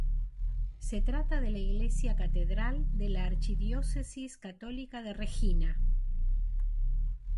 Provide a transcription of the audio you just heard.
Se trata de la iglesia catedral de la archidiócesis católica de Regina.